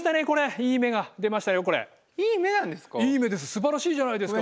いい目なんですか？